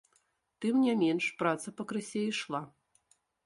Тым не менш праца пакрысе ішла.